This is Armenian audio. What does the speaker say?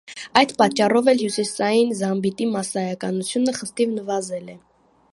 Այդ պատճառով էլ հյուսիսային գամբիտի մասսայականությունը խստիվ նվազել է։